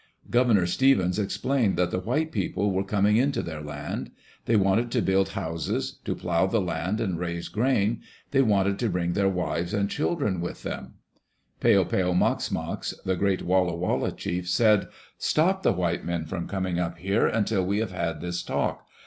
Governor Stevens explained that the white people were coming into their land. They wanted to build houses; to plow the land and raise grain; they wanted to bring their wives and children with them. Peo peo mox mox, the great Walla Walla chief, said, " Stop the white men from coming up here until we have had this talk.